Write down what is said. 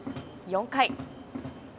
４回。